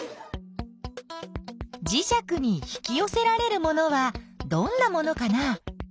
じしゃくに引きよせられるものはどんなものかな？